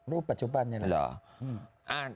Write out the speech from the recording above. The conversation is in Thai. รูปปัจจุบันเลย